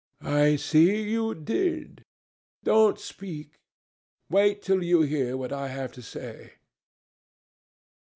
"I see you did. Don't speak. Wait till you hear what I have to say.